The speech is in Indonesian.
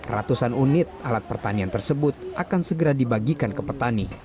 ratusan unit alat pertanian tersebut akan segera dibagikan ke petani